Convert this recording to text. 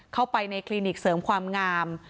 เข้าไปในคลินิกเสริมความงาม